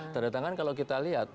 tanda tangan kalau kita lihat